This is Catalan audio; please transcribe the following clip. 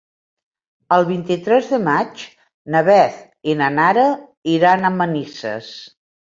El vint-i-tres de maig na Beth i na Nara iran a Manises.